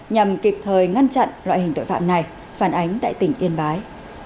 nhằm kịp thời ngăn chặn loại hình tội phạm này phản ánh tại tỉnh yên bái